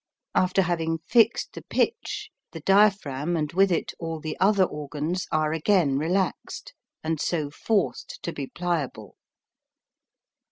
After having fixed the pitch, the diaphragm and with it all the other organs are again relaxed and so forced to be pliable.